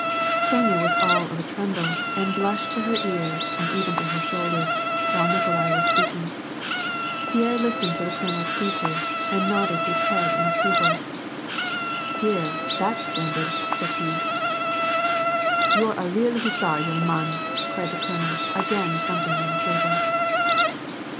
Sonya was all of a tremble, and blushed to her ears and even to her shoulders, while Nikolai was speaking. Pierre listened to the colonel's speeches and nodded his head in approval. " Here, that's splendid," said he. "You're a real hussar, young mahn!" cried the colonel, again thumping on the table.